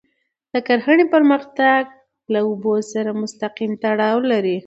د کرهڼې پرمختګ له اوبو سره مستقیم تړاو لري.